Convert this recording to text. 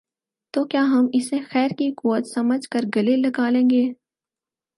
تو کیا ہم اسے خیر کی قوت سمجھ کر گلے لگا لیں گے؟